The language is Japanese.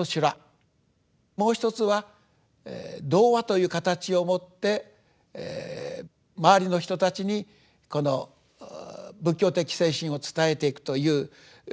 もうひとつは童話という形をもって周りの人たちにこの仏教的精神を伝えていくというそういうような生き方。